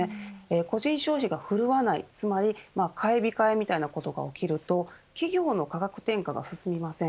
個人消費が振るわない、つまり買い控えみたいなことが起きると企業の価格転嫁が進みません。